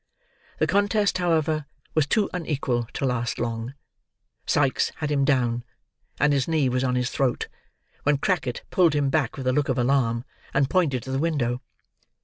The contest, however, was too unequal to last long. Sikes had him down, and his knee was on his throat, when Crackit pulled him back with a look of alarm, and pointed to the window.